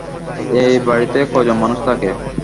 এ বাড়িতে ক জন মানুষ থাকে?